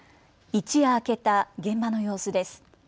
一夜明けた現場の様子です。